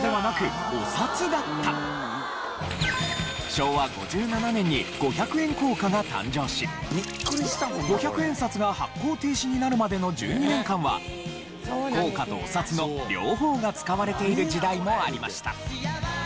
昭和５７年に５００円硬貨が誕生し５００円札が発行停止になるまでの１２年間は硬貨とお札の両方が使われている時代もありました。